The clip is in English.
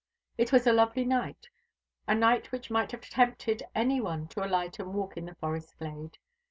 It was a lovely night a night which might have tempted any one to alight and walk in the forest glade.